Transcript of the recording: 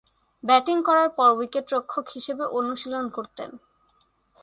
Batting করার পর উইকেট-রক্ষক হিসেবে অনুশীলন করতেন।